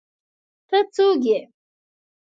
ته څوک ئې؟